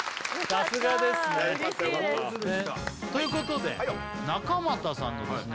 さすがですねということでなか又さんのですね